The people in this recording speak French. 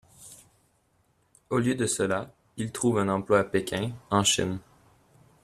Au lieu de cela, il trouve un emploi à Pékin, en Chine.